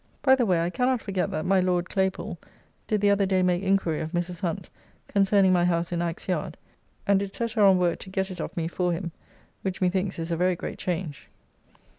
(By the way I cannot forget that my Lord Claypoole did the other day make enquiry of Mrs. Hunt, concerning my House in Axe yard, and did set her on work to get it of me for him, which methinks is a very great change.)